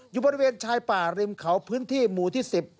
อยู่บริเวณชายป่าริมเขาพื้นที่หมู่ที่๑๐